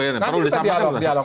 nah bisa dialog